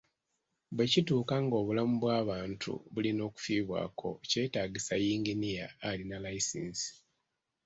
Bwe kituuka nga obulamu bw'abantu bulina okufiibwako, kyetaagisa yinginiya alina layisinsi.